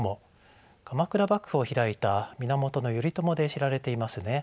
鎌倉幕府を開いた源頼朝で知られていますね。